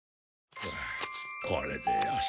これでよし。